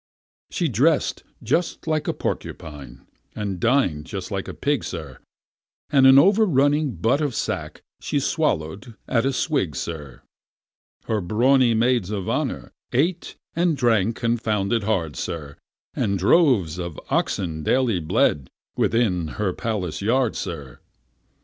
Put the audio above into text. She dress'd just like a porcupine, and din'd just like a pig, sir, And an over running butt of sack she swallow'd at a swig, sir! Her brawny maids of honour ate and drank confounded hard, sir, And droves of oxen daily bled within her palace yard, sir!